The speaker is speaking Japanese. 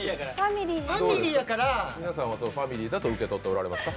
皆さんはファミリーだと受け取っておられますか？